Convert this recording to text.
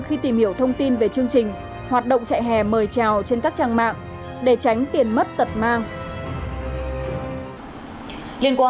khi tìm hiểu thông tin về chương trình hoạt động chạy hè mời trào